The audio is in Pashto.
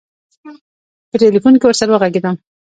په تیلفون کې ورسره وږغېدم.